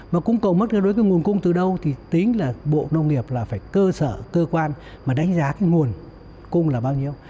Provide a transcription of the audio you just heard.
và cung cầu mất cân đối cái nguồn cung từ đâu thì tính là bộ nông nghiệp là phải cơ sở cơ quan mà đánh giá cái nguồn cung là bao nhiêu